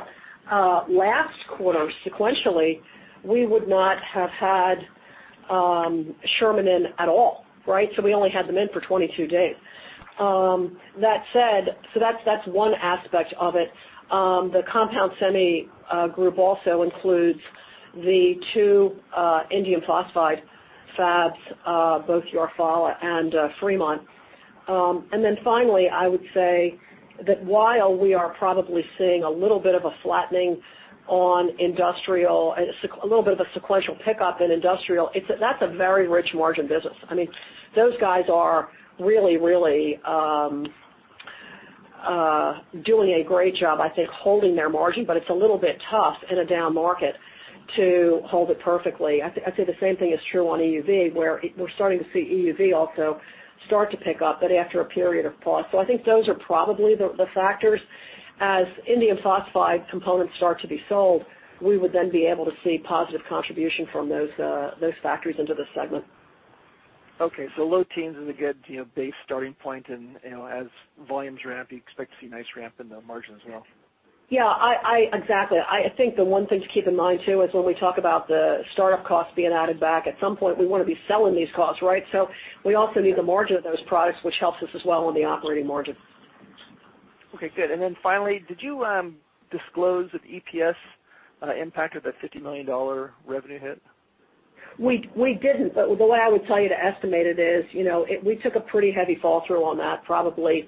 last quarter sequentially, we would not have had Sherman in at all, right? We only had them in for 22 days. That said, that is one aspect of it. The compound semi group also includes the two indium phosphide fabs, both Yorfa and Fremont. Finally, I would say that while we are probably seeing a little bit of a flattening on industrial, a little bit of a sequential pickup in industrial, that is a very rich margin business. I mean, those guys are really, really doing a great job, I think, holding their margin, but it is a little bit tough in a down market to hold it perfectly. I would say the same thing is true on EUV, where we are starting to see EUV also start to pick up, but after a period of pause. I think those are probably the factors. As indium phosphide components start to be sold, we would then be able to see positive contribution from those factories into the segment. Okay. Low teens is a good base starting point. And as volumes ramp, you expect to see nice ramp in the margin as well. Yeah. Exactly. I think the one thing to keep in mind too is when we talk about the startup costs being added back, at some point, we want to be selling these costs, right? We also need the margin of those products, which helps us as well on the operating margin. Okay. Good. And then finally, did you disclose the EPS impact of the $50 million revenue hit? We did not. The way I would tell you to estimate it is we took a pretty heavy fall through on that, probably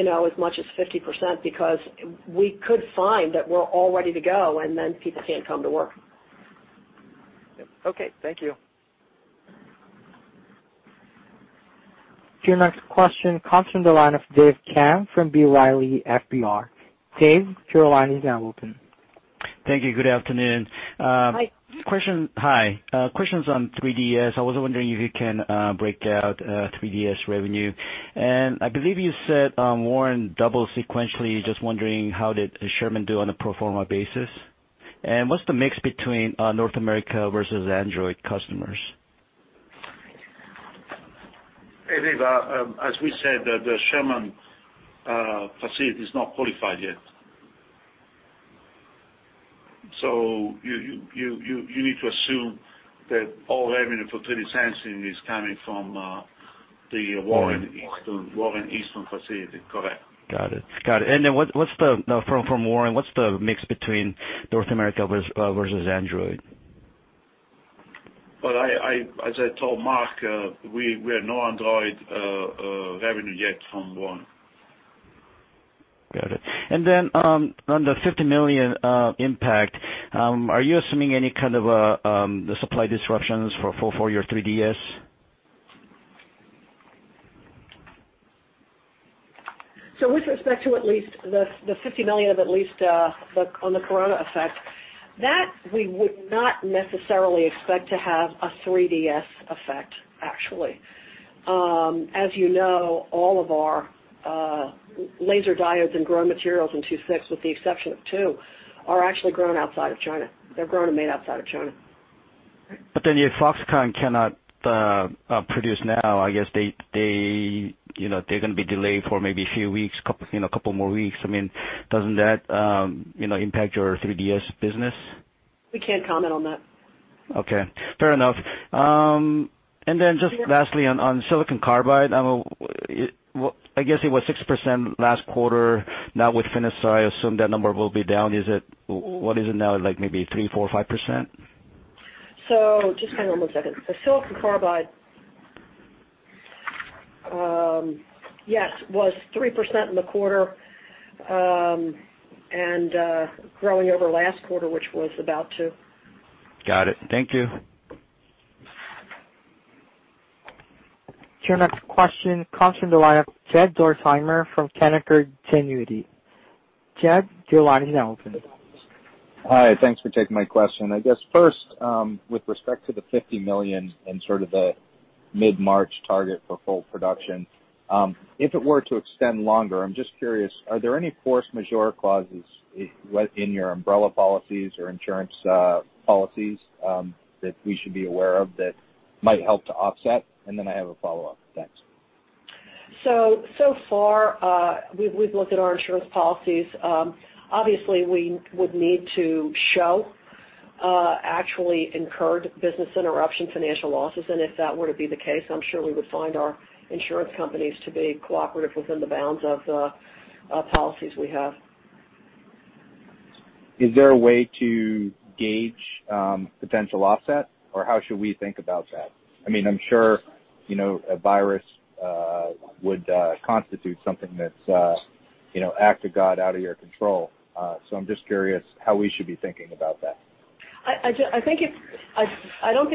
as much as 50% because we could find that we are all ready to go and then people cannot come to work. Okay. Thank you. Your next question comes from the line of Dave Kang from B. Riley FBR. Dave, your line is now open. Thank you. Good afternoon. Hi. Hi. Questions on 3DS. I was wondering if you can break out 3DS revenue. I believe you said Warren doubled sequentially. Just wondering how did Sherman do on a pro forma basis? What's the mix between North America versus Android customers? As we said, the Sherman facility is not qualified yet. You need to assume that all revenue for 3D Sensing is coming from the Warren Eastern facility. Correct. Got it. Got it. What's the from Warren, what's the mix between North America versus Android? As I told Mark, we have no Android revenue yet from Warren. Got it. On the $50 million impact, are you assuming any kind of the supply disruptions for your 3DS? With respect to at least the $50 million of at least on the corona effect, that we would not necessarily expect to have a 3DS effect, actually. As you know, all of our laser diodes and grow materials in 26, with the exception of two, are actually grown outside of China. They're grown and made outside of China. Your Foxconn cannot produce now. I guess they're going to be delayed for maybe a few weeks, a couple more weeks. I mean, doesn't that impact your 3D Sensing business? We can't comment on that. Okay. Fair enough. Just lastly, on silicon carbide, I guess it was 6% last quarter. Now with finished, I assume that number will be down. What is it now? Like maybe 3%, 4%, 5%? Just hang on one second. The silicon carbide, yes, was 3% in the quarter and growing over last quarter, which was about 2%. Got it. Thank you. Your next question comes from the line of Jed Dorsheimer from Canaccord Genuity. Jed, your line is now open. Hi. Thanks for taking my question. I guess first, with respect to the $50 million and sort of the mid-March target for full production, if it were to extend longer, I'm just curious, are there any force majeure clauses in your umbrella policies or insurance policies that we should be aware of that might help to offset? I have a follow-up. Thanks. So far, we've looked at our insurance policies. Obviously, we would need to show actually incurred business interruption financial losses. If that were to be the case, I'm sure we would find our insurance companies to be cooperative within the bounds of the policies we have. Is there a way to gauge potential offset? Or how should we think about that? I mean, I'm sure a virus would constitute something that's act of God out of your control. So I'm just curious how we should be thinking about that. I do not think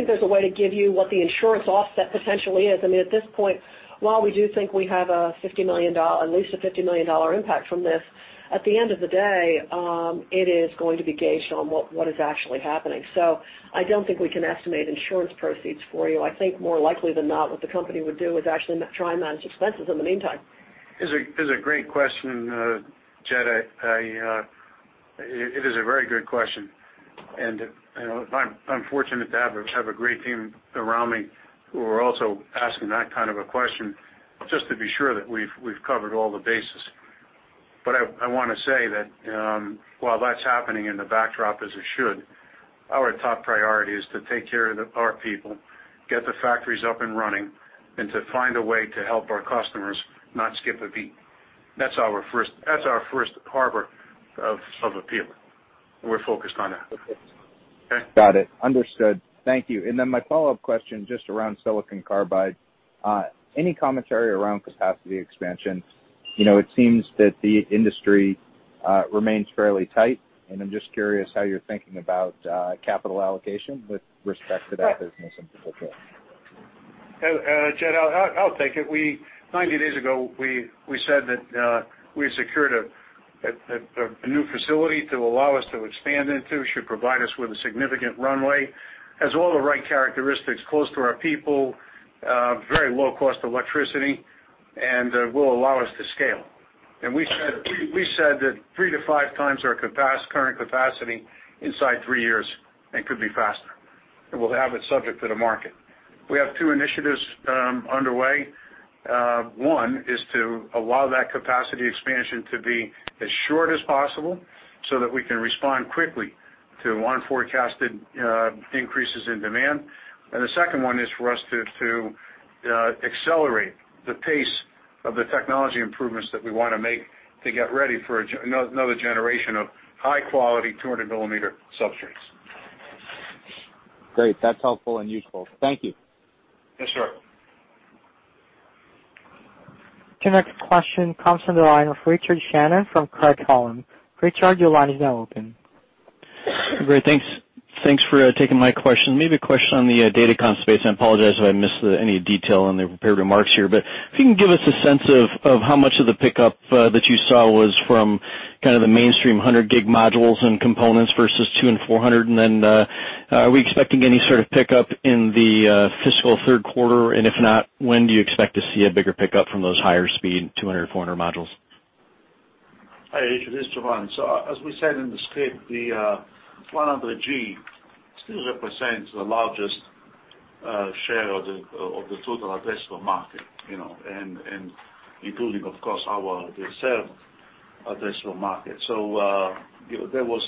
there is a way to give you what the insurance offset potentially is. I mean, at this point, while we do think we have at least a $50 million impact from this, at the end of the day, it is going to be gauged on what is actually happening. I do not think we can estimate insurance proceeds for you. I think more likely than not, what the company would do is actually try and manage expenses in the meantime. It's a great question, Jed. It is a very good question. I'm fortunate to have a great team around me who are also asking that kind of a question just to be sure that we've covered all the bases. I want to say that while that's happening in the backdrop as it should, our top priority is to take care of our people, get the factories up and running, and to find a way to help our customers not skip a beat. That's our first harbor of appeal. We're focused on that. Okay? Got it. Understood. Thank you. My follow-up question just around silicon carbide. Any commentary around capacity expansion? It seems that the industry remains fairly tight. I am just curious how you're thinking about capital allocation with respect to that business in particular. Jed, I'll take it. Ninety days ago, we said that we had secured a new facility to allow us to expand into. It should provide us with a significant runway, has all the right characteristics, close to our people, very low cost electricity, and will allow us to scale. We said that three to five times our current capacity inside three years and could be faster. We will have it subject to the market. We have two initiatives underway. One is to allow that capacity expansion to be as short as possible so that we can respond quickly to unforecasted increases in demand. The second one is for us to accelerate the pace of the technology improvements that we want to make to get ready for another generation of high-quality 200 millimeter substrates. Great. That's helpful and useful. Thank you. Yes, sir. Your next question comes from the line of Richard Shannon from Craig-Hallum. Richard, your line is now open. Great. Thanks for taking my question. Maybe a question on the datacom space. I apologize if I missed any detail in the prepared remarks here. If you can give us a sense of how much of the pickup that you saw was from kind of the mainstream 100G modules and components versus 200 and 400. Are we expecting any sort of pickup in the fiscal third quarter? If not, when do you expect to see a bigger pickup from those higher speed 200 or 400 modules? Hi, Richard. It's Giovanni. As we said in the script, the 100G still represents the largest share of the total addressable market, including of course our self addressable market. There was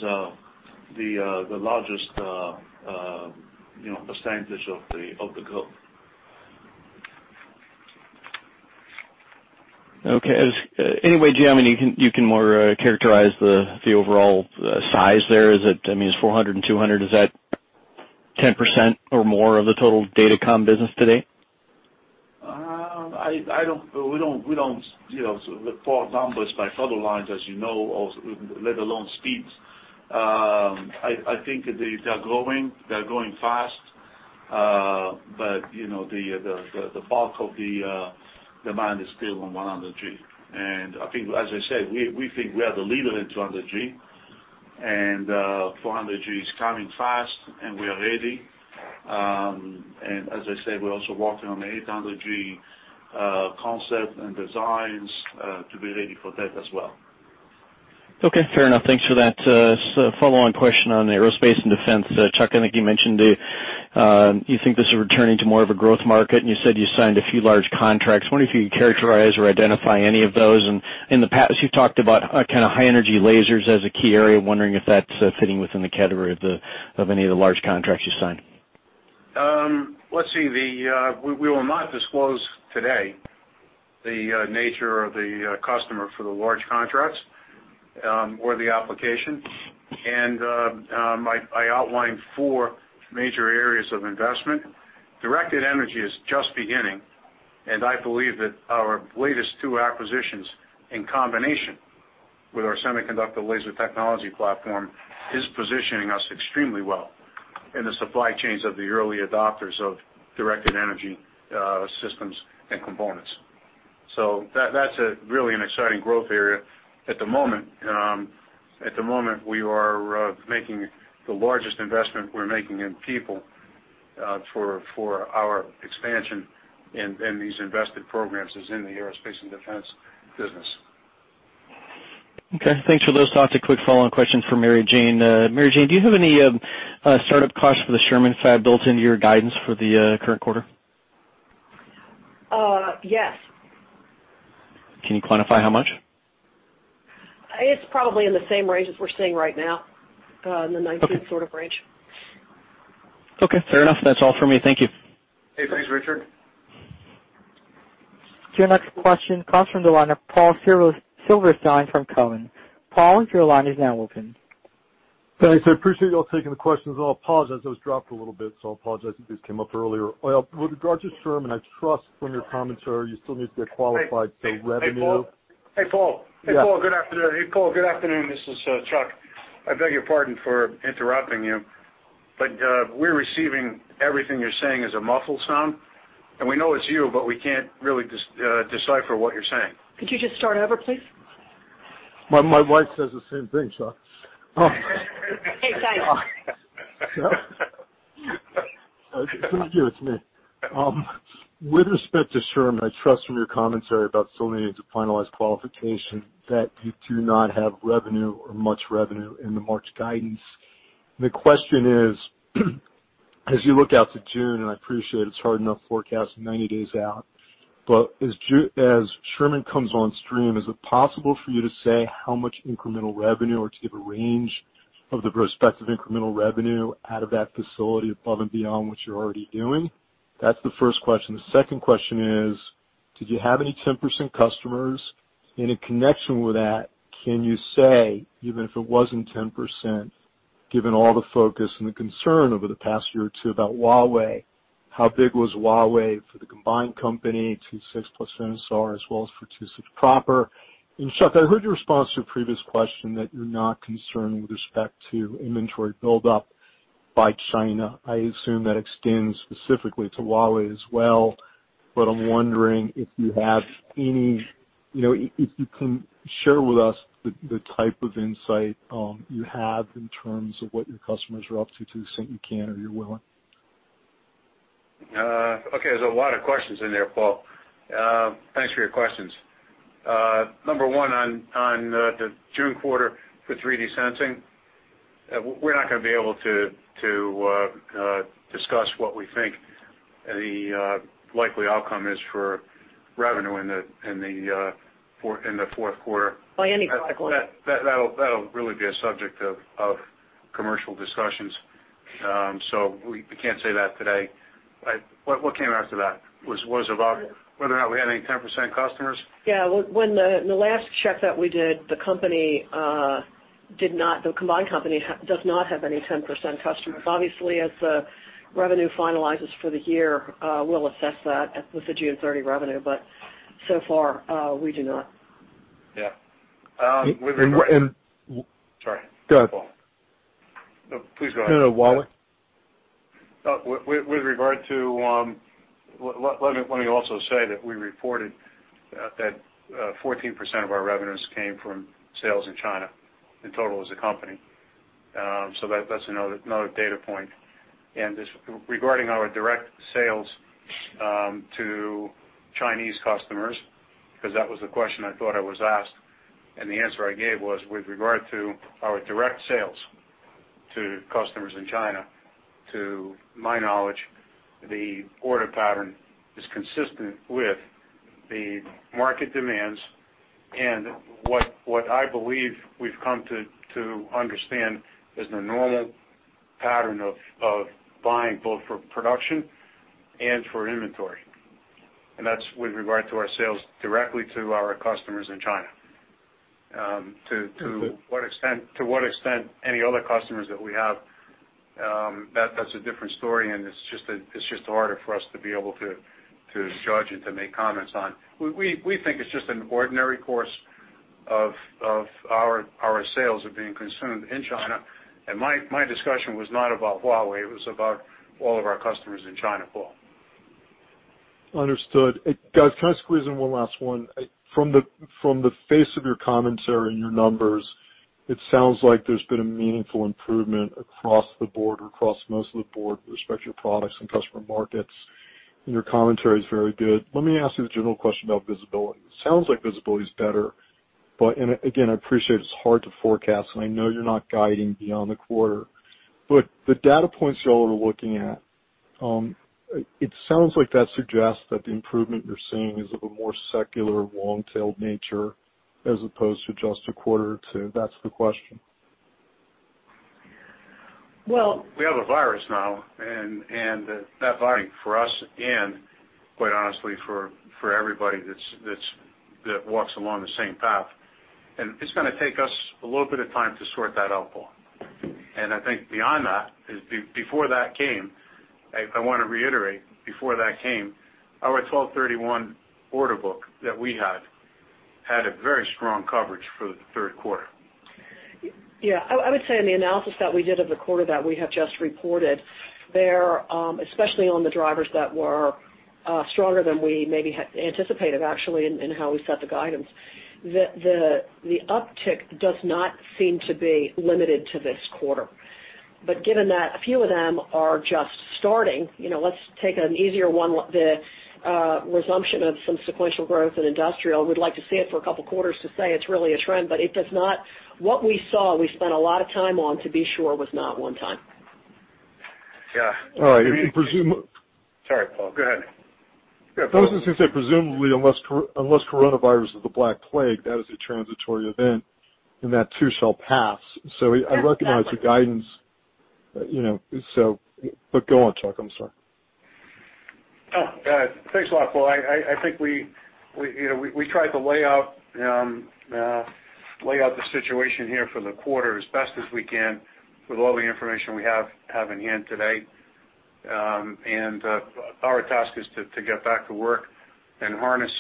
the largest % of the growth. Okay. Anyway, Giovanni, you can more characterize the overall size there. I mean, it's 400 and 200. Is that 10% or more of the total datacom business today? We do not report numbers by total lines, as you know, let alone speeds. I think they are growing. They are growing fast. The bulk of the demand is still on 100G. I think, as I said, we think we are the leader in 200G. 400G is coming fast, and we are ready. As I said, we are also working on the 800G concept and designs to be ready for that as well. Okay. Fair enough. Thanks for that. Follow-on question on aerospace and defense. Chuck, I think you mentioned you think this is returning to more of a growth market. You said you signed a few large contracts. I wonder if you could characterize or identify any of those. In the past, you've talked about kind of high-energy lasers as a key area. Wondering if that's fitting within the category of any of the large contracts you signed. Let's see. We will not disclose today the nature of the customer for the large contracts or the application. I outlined four major areas of investment. Directed energy is just beginning. I believe that our latest two acquisitions in combination with our semiconductor laser technology platform is positioning us extremely well in the supply chains of the early adopters of directed energy systems and components. That is really an exciting growth area at the moment. At the moment, we are making the largest investment we are making in people for our expansion in these invested programs is in the aerospace and defense business. Okay. Thanks for those thoughts. A quick follow-on question for Mary Jane. Mary Jane, do you have any startup costs for the Sherman fab built into your guidance for the current quarter? Yes. Can you quantify how much? It's probably in the same range as we're seeing right now, in the 19th sort of range. Okay. Fair enough. That's all for me. Thank you. Hey. Thanks, Richard. Your next question comes from the line of Paul Silverstein from Cowen. Paul, your line is now open. Thanks. I appreciate y'all taking the questions. I apologize. I was dropped a little bit. I apologize if these came up earlier. With regard to Sherman, I trust from your commentary, you still need to get qualified. So revenue. Hey, Paul. Good afternoon. Hey, Paul. Good afternoon, Mr. Chuck. I beg your pardon for interrupting you. We're receiving everything you're saying as a muffled sound. We know it's you, but we can't really decipher what you're saying. Could you just start over, please? My wife says the same thing, Chuck. Hey, Chuck It's you. It's me. With respect to Sherman, I trust from your commentary about still needing to finalize qualification that you do not have revenue or much revenue in the March guidance. The question is, as you look out to June, and I appreciate it's hard enough to forecast 90 days out, but as Sherman comes on stream, is it possible for you to say how much incremental revenue or to give a range of the prospective incremental revenue out of that facility above and beyond what you're already doing? That's the first question. The second question is, did you have any 10% customers? In connection with that, can you say, even if it wasn't 10%, given all the focus and the concern over the past year or two about Huawei, how big was Huawei for the combined company 26+ Sensar, as well as for 26 Proper? Chuck, I heard your response to a previous question that you're not concerned with respect to inventory buildup by China. I assume that extends specifically to Huawei as well. I am wondering if you have any, if you can share with us the type of insight you have in terms of what your customers are up to, to the extent you can or you're willing. Okay. There's a lot of questions in there, Paul. Thanks for your questions. Number one, on the June quarter for 3D sensing, we're not going to be able to discuss what we think the likely outcome is for revenue in the fourth quarter. That will really be a subject of commercial discussions. We cannot say that today. What came after that? Was it about whether or not we had any 10% customers? Yeah. In the last check that we did, the company did not, the combined company does not have any 10% customers. Obviously, as the revenue finalizes for the year, we'll assess that with the June 30 revenue. So far, we do not. Yeah. With regard. Sorry. Go ahead, Paul. No, please go ahead. [inaudible] With regard to let me also say that we reported that 14% of our revenues came from sales in China in total as a company. That is another data point. Regarding our direct sales to Chinese customers, because that was the question I thought I was asked, and the answer I gave was with regard to our direct sales to customers in China, to my knowledge, the order pattern is consistent with the market demands. What I believe we have come to understand is the normal pattern of buying both for production and for inventory. That is with regard to our sales directly to our customers in China. To what extent any other customers that we have, that is a different story. It is just harder for us to be able to judge and to make comments on. We think it's just an ordinary course of our sales are being consumed in China. My discussion was not about Huawei. It was about all of our customers in China, Paul. Understood. Guys, can I squeeze in one last one? From the face of your commentary and your numbers, it sounds like there's been a meaningful improvement across the board or across most of the board with respect to your products and customer markets. Your commentary is very good. Let me ask you the general question about visibility. It sounds like visibility is better. I appreciate it's hard to forecast. I know you're not guiding beyond the quarter. The data points y'all are looking at, it sounds like that suggests that the improvement you're seeing is of a more secular, long-tailed nature as opposed to just a quarter or two. That's the question. Well. We have a virus now. That, for us and, quite honestly, for everybody that walks along the same path. It is going to take us a little bit of time to sort that out, Paul. I think beyond that, before that came, I want to reiterate, before that came, our 12/31 order book that we had had a very strong coverage for the third quarter. Yeah. I would say in the analysis that we did of the quarter that we have just reported, especially on the drivers that were stronger than we maybe anticipated, actually, in how we set the guidance, the uptick does not seem to be limited to this quarter. Given that a few of them are just starting, let's take an easier one, the resumption of some sequential growth in industrial. We'd like to see it for a couple of quarters to say it's really a trend. What we saw we spent a lot of time on to be sure was not one time. Yeah. All right. Sorry, Paul. Go ahead. I was just going to say, presumably, unless coronavirus is the black plague, that is a transitory event and that too shall pass. I recognize your guidance. Go on, Chuck. I'm sorry. Oh, thanks a lot, Paul. I think we tried to lay out the situation here for the quarter as best as we can with all the information we have in hand today. Our task is to get back to work and harness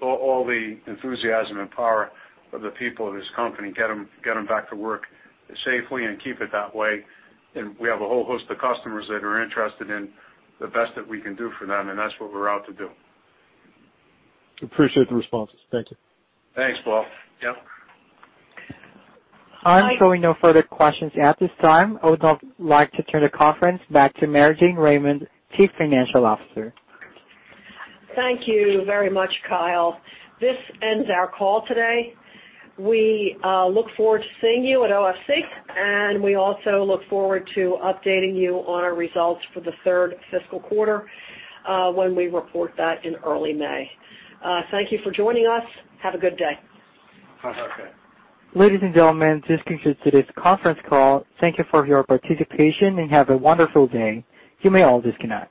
all the enthusiasm and power of the people of this company, get them back to work safely and keep it that way. We have a whole host of customers that are interested in the best that we can do for them. That is what we are out to do. Appreciate the responses. Thank you. Thanks, Paul. Yep. I'm showing no further questions at this time. I would now like to turn the conference back to Mary Jane Raymond, Chief Financial Officer. Thank you very much, Kyle. This ends our call today. We look forward to seeing you at OFC. We also look forward to updating you on our results for the third fiscal quarter when we report that in early May. Thank you for joining us. Have a good day. Okay. Ladies and gentlemen, this concludes today's conference call. Thank you for your participation and have a wonderful day. You may all disconnect.